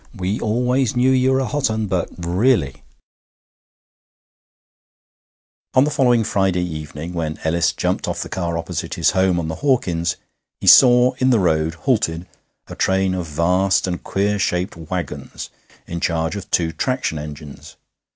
We always knew you were a hot un, but, really ' V On the following Friday evening, when Ellis jumped off the car opposite his home on the Hawkins, he saw in the road, halted, a train of vast and queer shaped waggons in charge of two traction engines.